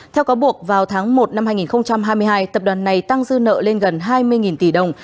theo cáo buộc vào tháng một năm hai nghìn hai mươi hai tập đoàn này tăng dư nợ lên gần hai mươi tỷ đồng